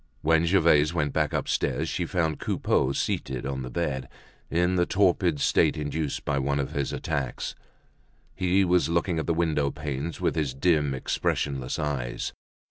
When Gervaise went back upstairs, she found Coupeau seated on the bed, in the torpid state induced by one of his attacks. He was looking at the window panes with his dim expressionless eyes.